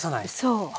そう。